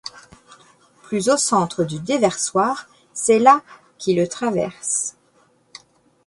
Plus au centre du déversoir, c'est la qui le traverse.